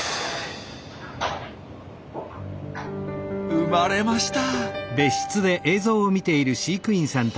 生まれました！